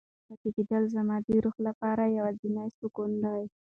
دلته پاتې کېدل زما د روح لپاره یوازینی سکون دی.